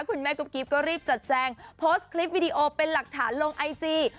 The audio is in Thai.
คุณแม่กุ๊บกิ๊บก็รีบจัดแจงโพสต์คลิปวิดีโอเป็นหลักฐานลงไอจี